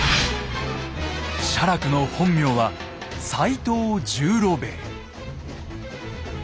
写楽の本名は斎藤十郎兵衛。